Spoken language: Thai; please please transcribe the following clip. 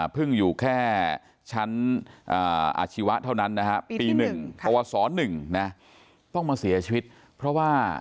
พึ่งอยู่แค่ชั้นอาชีวะเท่านั้นนะฮะ